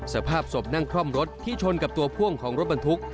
สภาพศพนั่งคล่อมรถที่ชนกับตัวพ่วงของรถบรรทุก